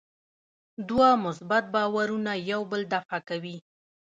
دوه مثبت بارونه یو بل دفع کوي.